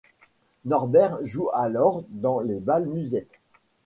Norbert joue alors dans les bals musettes.